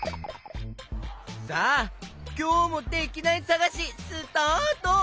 さあきょうもできないさがしスタート！